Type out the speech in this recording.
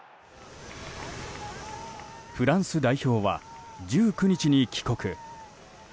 フランス代表は、１９日に帰国。